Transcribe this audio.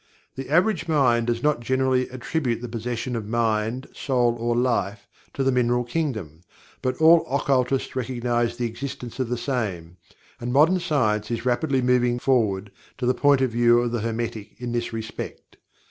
The average mind does not generally attribute the possession of mind, soul, or life, to the mineral kingdom, but all occultists recognize the existence of the same, and modern science is rapidly moving forward to the point of view of the Hermetic, in this respect.